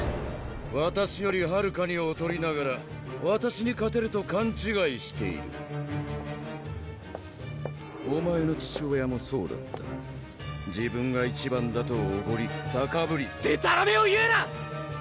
わたしよりはるかにおとりながらわたしに勝てると勘違いしているお前の父親もそうだった自分が一番だとおごり高ぶりでたらめを言うな！